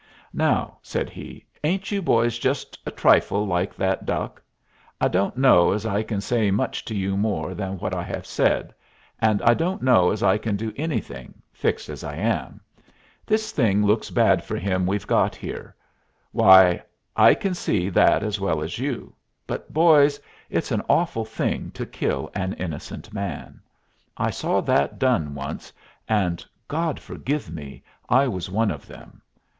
"Now," said he, "ain't you boys just a trifle like that duck? I don't know as I can say much to you more than what I have said, and I don't know as I can do anything, fixed as I am. This thing looks bad for him we've got here. Why, I can see that as well as you. But, boys! it's an awful thing to kill an innocent man! I saw that done once, and God forgive me! I was one of them.